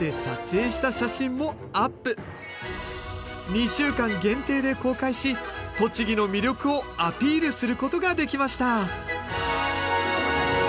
２週間限定で公開し栃木の魅力をアピールすることができました。